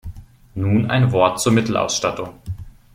Nun ein Wort zur Mittelausstattung.